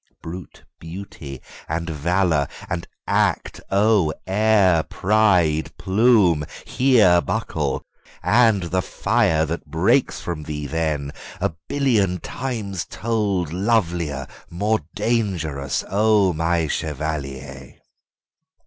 Brute beauty and valour and act, oh, air, pride, plume, hereBuckle! AND the fire that breaks from thee then, a billionTimes told lovelier, more dangerous, O my chevalier!